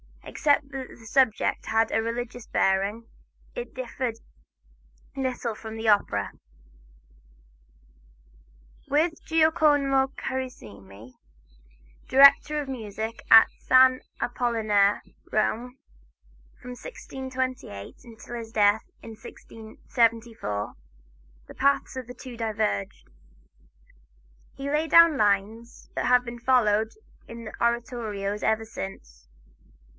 Except that the subject had a religious bearing, it differed little from the opera. With Giacomo Carissimi, director of music at San Apollinare, Rome, from 1628 until his death, in 1674, the paths of the two diverged. He laid down lines that have been followed in the oratorio ever since.